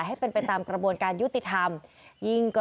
และความสุขของคุณค่ะ